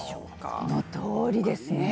そのとおりですね。